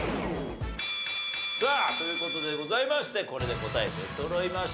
さあという事でございましてこれで答え出そろいました。